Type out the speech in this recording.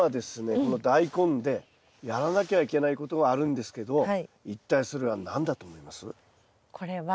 このダイコンでやらなきゃいけないことがあるんですけど一体それは何だと思います？